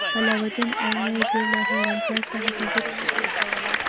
علاوالدین او مور یې له حیرانتیا څخه خبرې نشوای کولی.